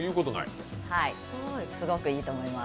すごくいいと思います。